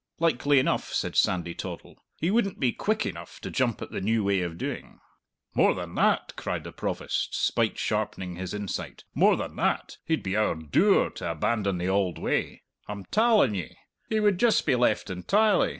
"Likely enough," said Sandy Toddle; "he wouldn't be quick enough to jump at the new way of doing." "Moar than that!" cried the Provost, spite sharpening his insight, "moar than that he'd be owre dour to abandon the auld way. I'm talling ye. He would just be left entirely!